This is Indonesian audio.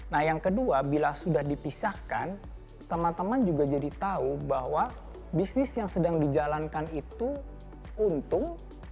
nah yang kedua bila sudah dipisahkan teman teman juga jadi tahu bahwa bisnis yang sedang dijalankan itu untung